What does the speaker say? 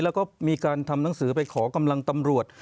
แล้วก็มีการทำหนังสือไปขอกำลังตำรวจ